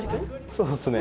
そうっすね。